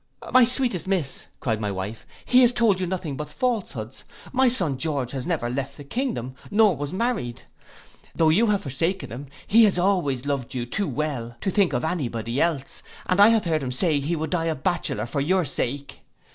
'My sweetest miss,' cried my wife, 'he has told you nothing but falsehoods. My son George never left the kingdom, nor was married. Tho' you have forsaken him, he has always loved you too well to think of any body else; and I have heard him say he would die a batchellor for your sake.